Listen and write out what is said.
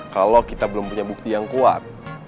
kalau kita belum punya bukti yang kuat